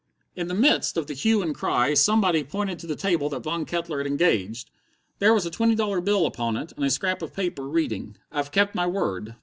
"In the midst of the hue and cry somebody pointed to the table that Von Kettler had engaged. There was a twenty dollar bill upon it, and a scrap of paper reading: 'I've kept my word.